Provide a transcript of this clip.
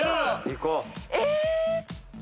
え！